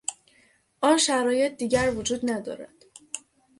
آن شرایط دیگر وجود ندارد.